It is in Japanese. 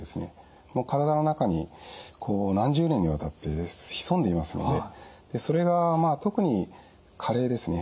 体の中に何十年にわたって潜んでいますのでそれが特に加齢ですね